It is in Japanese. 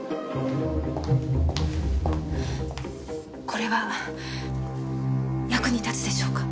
これは役に立つでしょうか？